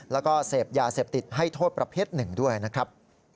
แล้วก็เสพยาเสพติดให้โทษประเภทหนึ่งด้วยนะครับ